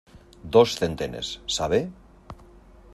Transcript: dos centenes, ¿ sabe?